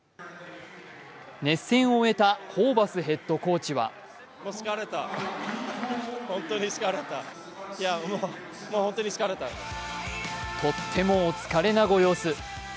熱戦を終えたホーバスヘッドコーチはとってもお疲れなご様子。